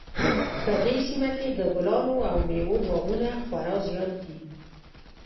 په دې سیمه کې د ګلانو او میوو باغونه خورا زیات دي